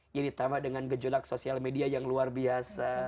yang ditambah dengan gejolak sosial media yang luar biasa